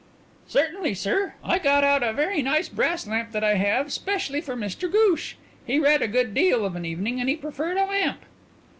"Certainly, sir. I got out a very nice brass lamp that I have specially for Mr Ghoosh. He read a good deal of an evening and he preferred a lamp."